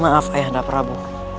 maaf ayah anda pramu